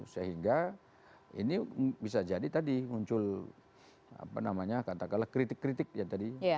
sehingga ini bisa jadi tadi muncul apa namanya katakanlah kritik kritik yang tadi